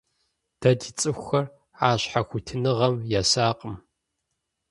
Дэ ди цӀыхухэр а щхьэхуитыныгъэм есакъым.